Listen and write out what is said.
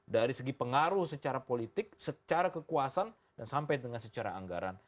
dari segi pengaruh secara politik secara kekuasaan dan sampai dengan secara anggaran